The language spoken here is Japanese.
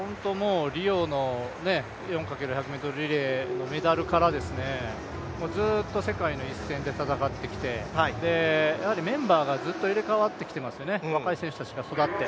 リオの４×１００ｍリレーのメダルから世界の一線で戦ってきてやはりメンバーがずっと入れ替わってきていますよね、若い選手たちが育って。